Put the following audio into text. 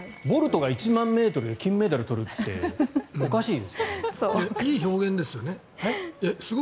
ボルトが１万ｍで金メダルを取るっていい表現ですよね。